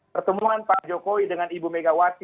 pertemuan pak jokowi dengan ibu megawati